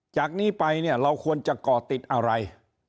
จากนี้ไปเนี่ยเราควรจะก่อติดอะไร